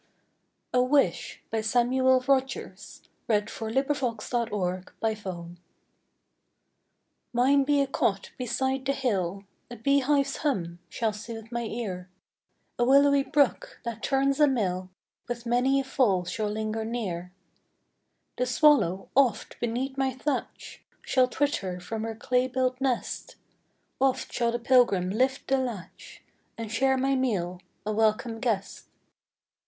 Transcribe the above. Inscribed on an urn in the flower garden at Hafod. A WISH. Mine be a cot beside the hill, A bee hive's hum shall sooth my ear; A willowy brook, that turns a mill, With many a fall shall linger near. The swallow, oft, beneath my thatch, Shall twitter from her clay built nest; Oft shall the pilgrim lift the latch, And share my meal, a welcome guest.